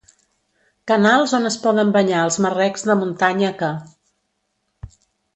Canals on es poden banyar els marrecs de muntanya que.